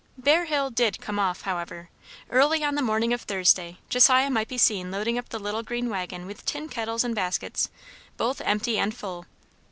Bear Hill did "come off," however. Early on the morning of Thursday, Josiah might be seen loading up the little green waggon with tin kettles and baskets, both empty and full.